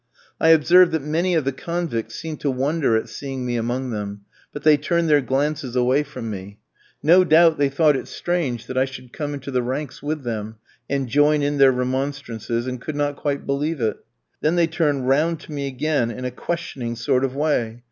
I observed that many of the convicts seemed to wonder at seeing me among them, but they turned their glances away from me. No doubt they thought it strange that I should come into the ranks with them, and join in their remonstrances, and could not quite believe it. Then they turned round to me again in a questioning sort of way.